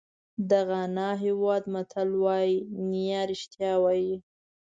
د غانا هېواد متل وایي نیا رښتیا وایي.